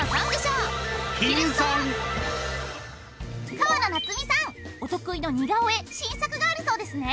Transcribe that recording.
川野夏美さんお得意の似顔絵新作があるそうですね？